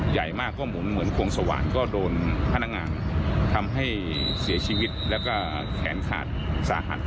ใหญ่มากก็หมุนเหมือนโครงสว่างก็โดนพนักงานทำให้เสียชีวิตแล้วก็แขนขาดสาหัส